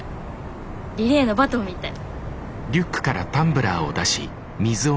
リレーのバトンみたい。